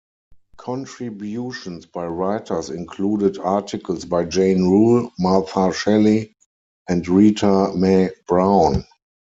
Contributions by writers included articles by Jane Rule, Martha Shelley, and Rita Mae Brown.